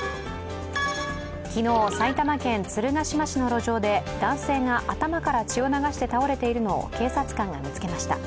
昨日、埼玉県鶴ヶ島市の路上で男性が頭から血を流して倒れているのを警察官が見つけました。